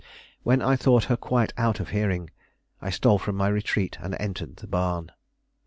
When I thought her quite out of hearing, I stole from my retreat and entered the barn.